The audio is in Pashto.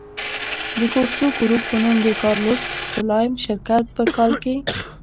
د کورسو ګروپ په نوم د کارلوس سلایم شرکت په کال کې.